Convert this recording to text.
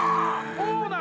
・オーナー！